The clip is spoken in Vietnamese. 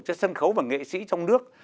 cho sân khấu và nghệ sĩ trong nước